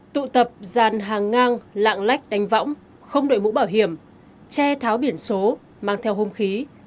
tụ tập giàn hàng ngang lạng lách đánh võng không đội mũ bảo hiểm che tháo biển số mang theo hung khí